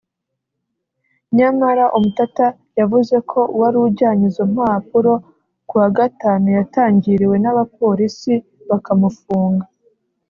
nyamara Omtatah yavuze ko uwari ujyanye izo mpapuro ku wa Gatanu yatangiriwe n’abapolisi bakamufunga